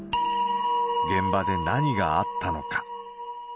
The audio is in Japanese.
現場で何があったのか。